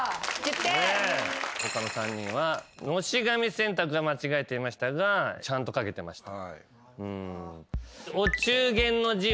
他の３人はのし紙選択は間違えていましたがちゃんと書けてました。